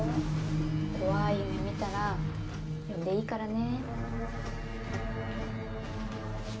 怖い夢見たら呼んでいいからね。